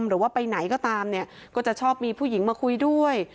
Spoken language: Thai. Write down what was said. หรือว่าไปไหนก็ตามเนี่ยก็จะชอบมีผู้หญิงมาคุยด้วย